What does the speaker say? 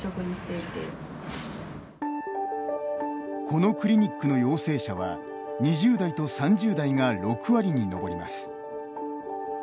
このクリニックの陽性者は２０代と３０代が６割に上ります。